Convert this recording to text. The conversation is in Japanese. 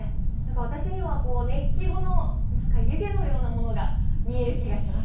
私には、熱気後の湯気のようなものが見える気がします。